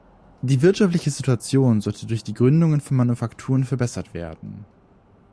Die wirtschaftliche Situation sollte durch die Gründungen von Manufakturen verbessert werden.